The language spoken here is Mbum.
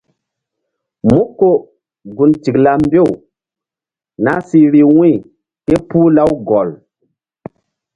Mú ko gun tikla mbew nah si vbi wu̧y ké puh Lawgɔl.